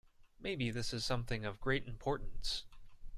Maybe this is something of great importance.